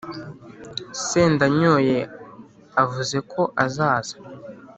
Sendanyoye avuze ko azaza